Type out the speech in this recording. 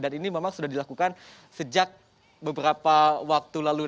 dan ini memang sudah dilakukan sejak beberapa waktu lalu